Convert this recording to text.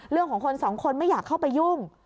เรื่องของคนสองคนไม่อยากเข้าไปยุ่ง